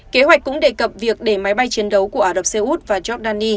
kế hoạch cũng đề cập việc để máy bay chiến đấu của ả rập xê út và giordani